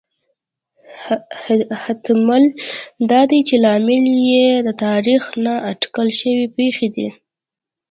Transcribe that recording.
احتمال دا دی چې لامل یې د تاریخ نا اټکل شوې پېښې دي